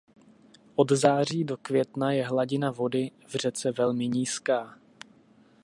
Od září do května je hladina vody v řece velmi nízká.